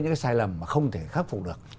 những cái sai lầm mà không thể khắc phục được